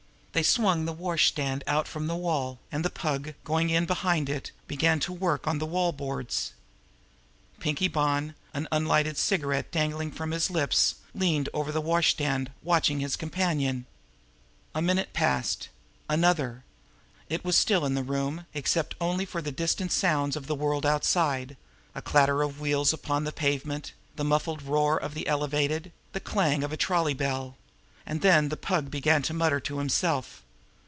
They swung the washstand out from the wall, and the Pug, going in behind it, began to work on one of the wall boards. Pinkie Bonn, an unlighted cigarette dangling from his lip, leaned over the washstand watching his companion. A minute passed another. It was still in the room, except only for the distant sounds of the world outside a clatter of wheels upon the pavement, the muffled roar of the elevated, the clang of a trolley bell. And then the Pug began to mutter to himself.